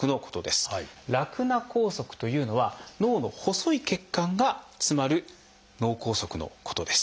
「ラクナ梗塞」というのは脳の細い血管が詰まる脳梗塞のことです。